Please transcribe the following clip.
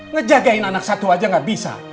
ngejagain anak satu aja gak bisa